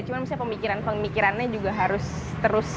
cuman misalnya pemikiran pemikirannya juga harus dilestarikan